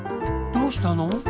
どうしたの？